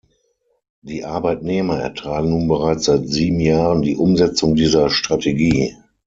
Die Arbeitnehmer ertragen nun bereits seit sieben Jahren die Umsetzung dieser Strategie.